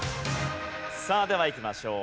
さあではいきましょう。